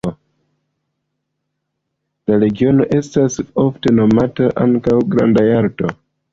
La regiono estas ofte nomata ankaŭ "Granda Jalto".